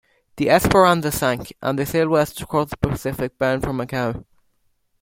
The "Esperanza" sank, and they sailed west across the Pacific bound for Macao.